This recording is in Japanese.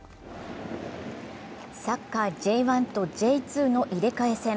サッカーＪ１とＪ２の入れ替え戦。